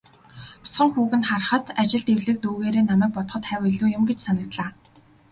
Бяцхан хүүг нь харахад, ажилд эвлэг дүйгээрээ намайг бодоход хавь илүү юм гэж санагдлаа.